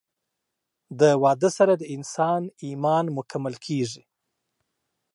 د واده سره د انسان ايمان مکمل کيږي